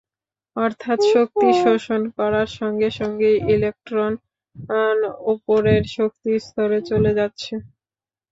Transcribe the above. অর্থাৎ শক্তি শোষণ করার সঙ্গে সঙ্গেই ইলেকট্রন ওপরের শক্তিস্তরে চলে যাচ্ছে।